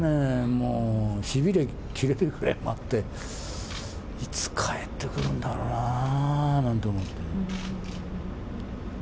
もう、しびれ切れるくらい待って、いつ帰ってくるんだろうなぁなんて思って。